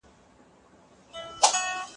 نقاشي شوې پرده د کور په کوم ځای کي ځړېدلې وه؟